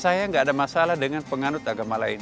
saya nggak ada masalah dengan penganut agama lain